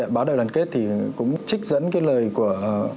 báo đại đoàn kết cũng trích dẫn cái lời của